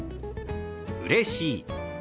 「うれしい」。